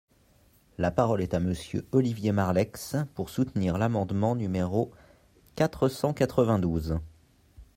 La parole est à Monsieur Olivier Marleix, pour soutenir l’amendement numéro quatre cent quatre-vingt-douze.